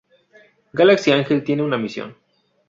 Galaxy Angel tienen una misión.